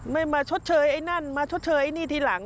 ไม่มาชดเชยไอ้นั่นมาชดเชยไอ้นี่ทีหลัง